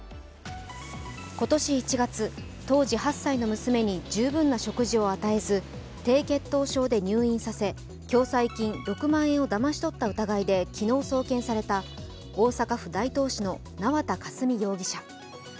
今年１月、当時８歳の娘に十分な食事を与えず低血糖症で入院させ共済金６万円をだまし取った疑いで昨日送検された大阪府大東市の縄田佳純容疑者。